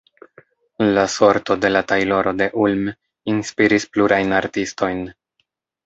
La sorto de la "tajloro de Ulm" inspiris plurajn artistojn.